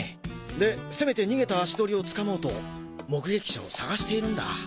でせめて逃げた足取りをつかもうと目撃者を捜しているんだ。